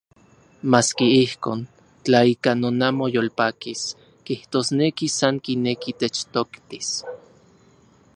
Maski ijkon, tla ika non amo yolpakis, kijtosneki san kineki techtoktis.